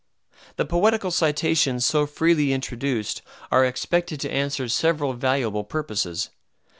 The poetical citations so freely introduced are expected to answer several valuable purposes.